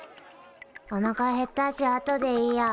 おなかへったしあとでいいや。